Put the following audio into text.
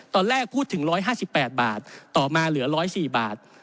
ตอนแรกพูดถึง๑๕๘บาทต่อมาเหลือ๑๐๔บาท